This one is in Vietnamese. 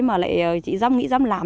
mà lại chị dám nghĩ dám làm